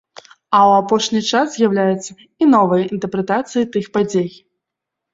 А ў апошні час з'яўляюцца і новыя інтэрпрэтацыі тых падзей.